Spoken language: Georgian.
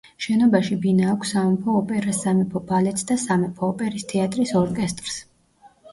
შენობაში ბინა აქვს სამეფო ოპერას, სამეფო ბალეტს და სამეფო ოპერის თეატრის ორკესტრს.